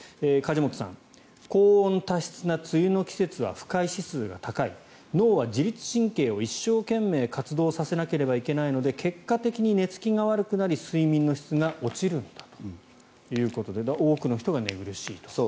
梶本さんは高温多湿な梅雨の季節は不快指数が高い脳は自律神経を一生懸命活動させなければいけないので結果的に寝付きが悪くなり睡眠の質が落ちるんだということで多くの人が寝苦しいと。